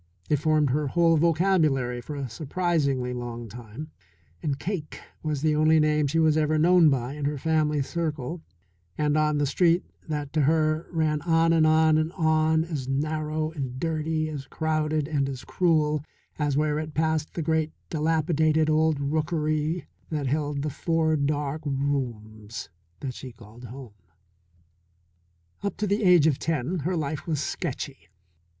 It formed her whole vocabulary for a surprisingly long time, and Cake was the only name she was ever known by in her family circle and on the street that to her ran on and on and on as narrow and dirty, as crowded and as cruel as where it passed the great dilapidated old rookery that held the four dark rooms that she called home. Up to the age of ten her life was sketchy.